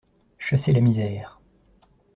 Chasser la misère